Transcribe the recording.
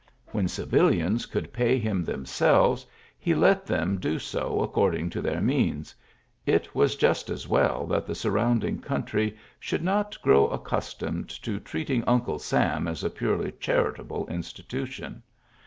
When civilians could pay him themselves, he let them do so according to their means ; it was just as well that the sur rounding country should not grow accustomed to treating " Uncle Sam " as a purely charitable institution.